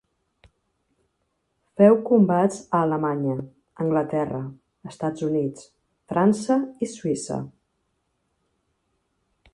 Feu combats a Alemanya, Anglaterra, Estats Units, França i Suïssa.